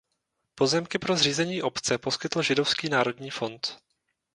Pozemky pro zřízení obce poskytl Židovský národní fond.